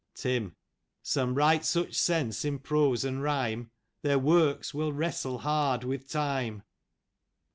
Tim :" Some write such sense in prose and rhyme, Their works will wrestle hard with Time.